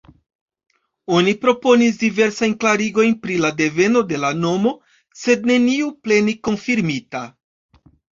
Oni proponis diversajn klarigojn pri la deveno de la nomo, sed neniu plene konfirmita.